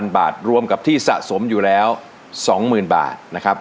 ๐บาทรวมกับที่สะสมอยู่แล้ว๒๐๐๐บาทนะครับ